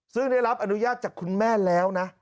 ซึ่งได้รับอนุญาตจากคุณแม่แล้วนะ